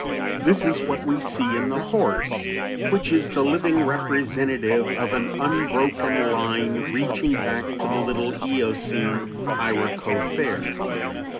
This is what we see in the horse, which is the living representative of an unbroken line reaching back to the little Eocene Hyracothere.